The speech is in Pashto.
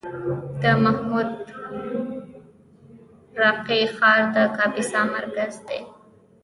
د محمود راقي ښار د کاپیسا مرکز دی